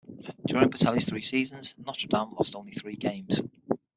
During Bertelli's three seasons, Notre Dame lost only three games.